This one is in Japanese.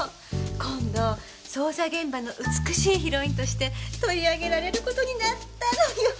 今度捜査現場の美しいヒロインとして取り上げられる事になったのよ。